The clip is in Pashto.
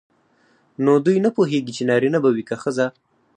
نو دوی نه پوهیږي چې نارینه به وي که ښځه.